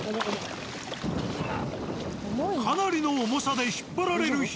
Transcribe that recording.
かなりの重さで引っ張られる平坂。